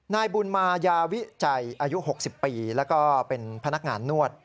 นายบุญมายาวิจัยอายุ๖๐ปีแล้วก็เป็นพนักงานนวด